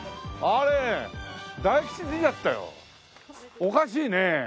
おかしいね。